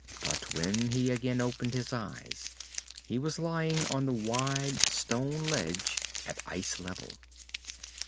But when he again opened his eyes, he was lying on the wide stone ledge at ice level.